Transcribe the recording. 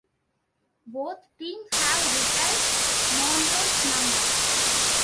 Both teams have retired Monroe's number.